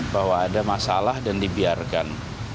bahwa ada masalah dan dibiarkan